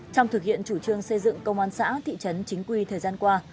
trong thực hiện chủ trương xây dựng công an xã thị trấn chính quy thời gian qua